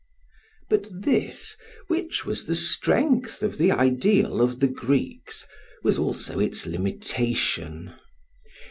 But this, which was the strength of the ideal of the Greeks, was also its limitation.